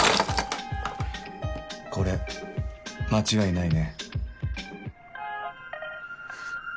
これ間違いないね？